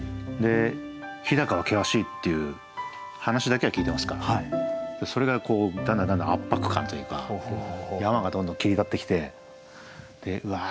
日高は険しいっていう話だけは聞いてますからそれがだんだんだんだん圧迫感というか山がどんどん切り立ってきてうわあ